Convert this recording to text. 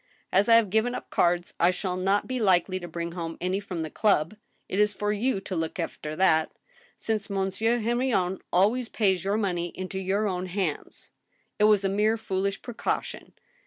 As I have g^iven up cards, I shall not be likely to bring home any from the club. It is for you to look after that, since Monsieur Hen rion always pays your money into your own hands. ... It was a mere foolish precaution